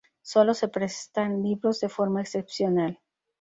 Solo se prestan libros de forma excepcional.